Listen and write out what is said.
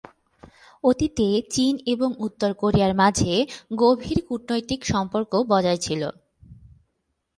অতীতে চীন এবং উত্তর কোরিয়ার মাঝে গভীর কূটনৈতিক সম্পর্ক বজায় ছিল।